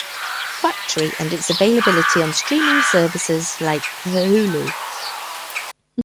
Factory and its availability on streaming services like Hulu.